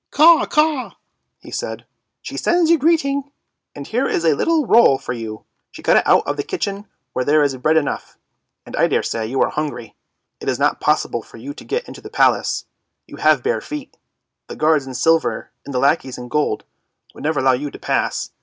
" Caw, caw," he said, " she sends you greeting, and here is a little roll for you, she got it out of the kitchen where there is bread enough, and I daresay you are hungry ! It is not possible for you to get into the Palace, you have bare feet, the guards in silver and the lackeys in gold would never allow you to pass.